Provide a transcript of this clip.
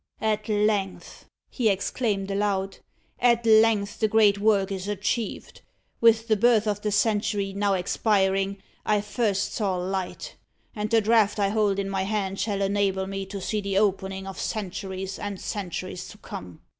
"At length," he exclaimed aloud "at length, the great work is achieved. With the birth of the century now expiring I first saw light, and the draught I hold in my hand shall enable me to see the opening of centuries and centuries to come.